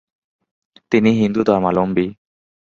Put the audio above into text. তিনি হিন্দু ধর্মাবলম্বী।